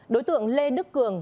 đối tượng lê đức cường